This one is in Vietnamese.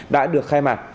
đã được khai mạc